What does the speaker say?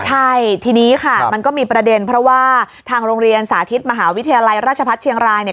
ใช่ทีนี้ค่ะมันก็มีประเด็นเพราะว่าทางโรงเรียนสาธิตมหาวิทยาลัยราชพัฒน์เชียงรายเนี่ย